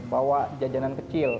bawa jajanan kecil